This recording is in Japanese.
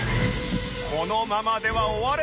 このままでは終われない！